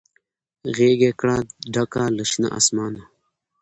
غیږ یې کړه ډکه له شنه اسمانه